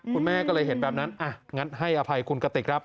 คุณแม่ก็เลยเห็นแบบนั้นอ่ะงั้นให้อภัยคุณกติกครับ